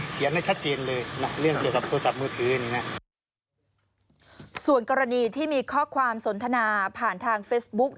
ส่วนกรณีที่มีข้อความสนทนาผ่านทางเฟสบุ๊ค